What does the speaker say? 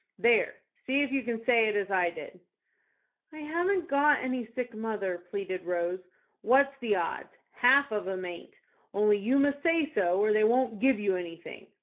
"There, see if you can say it as I did." "I haven't got any sick mother," pleaded Rose. "What's the odds? Half of them aint. Only you must say so, or they won't give you anything.